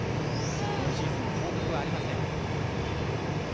今シーズン降格はありません。